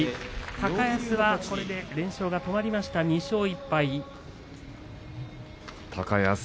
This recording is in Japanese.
高安は、これで連勝止まりました２勝１敗です。